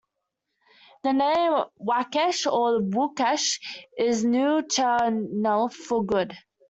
The name Wakesh or Waukash is "Nuu-chah-nulth" for "good.